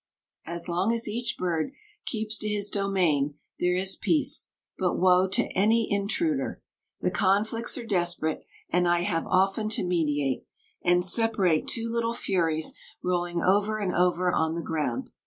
As long as each bird keeps to his domain there is peace, but woe to any intruder! The conflicts are desperate, and I have often to mediate, and separate two little furies rolling over and over on the ground.